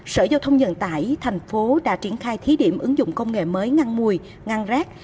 sở giao thông nhận tải thành phố đã triển khai thí điểm ứng dụng công nghệ mới ngăn mùi ngăn rác